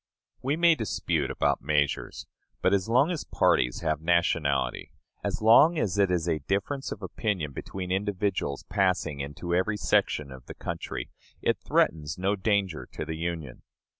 We may dispute about measures, but, as long as parties have nationality, as long as it is a difference of opinion between individuals passing into every section of the country, it threatens no danger to the Union.